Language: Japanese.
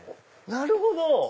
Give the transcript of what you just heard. なるほど！